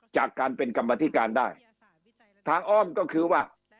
จากการเป็นกรรมธิการได้ทางอ้อมก็คือว่า